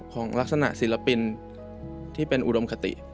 ของลักษณะศิลปินที่เป็นอุดมคติ